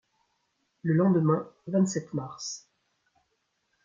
Le lendemain, vingt-sept mars